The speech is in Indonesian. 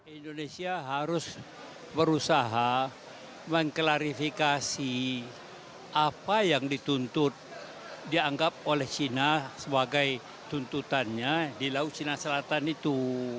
indonesia harus berusaha mengklarifikasi apa yang dituntut dianggap oleh china sebagai tuntutannya di laut cina selatan itu